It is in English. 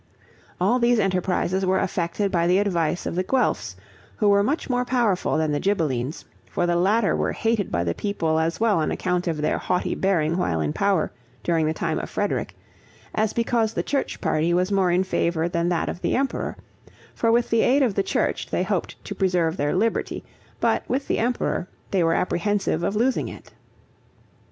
All these enterprises were effected by the advice of the Guelphs, who were much more powerful than the Ghibellines, for the latter were hated by the people as well on account of their haughty bearing while in power, during the time of Frederick, as because the church party was in more favor than that of the emperor; for with the aid of the church they hoped to preserve their liberty, but, with the emperor, they were apprehensive of losing it.